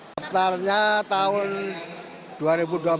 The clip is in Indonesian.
pertanyaan tahun dua ribu dua belas bulan februari